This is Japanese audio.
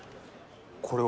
これは？